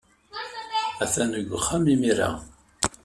Attan deg uxxam imir-a.